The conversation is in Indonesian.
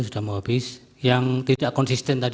sudah mau habis yang tidak konsisten tadi